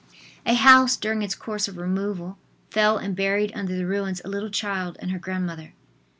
A house, during its course of removal, fell and buried under the ruins a little child and her grandmother.